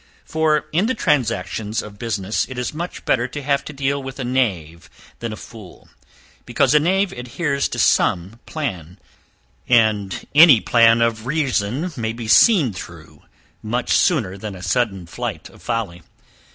For in the transactions of business it is much better to have to deal with a knave than a fool, because a knave adheres to some plan; and any plan of reason may be seen through much sooner than a sudden flight of folly.